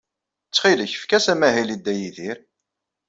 Ttxil-k, efk-as amahil i Dda Yidir.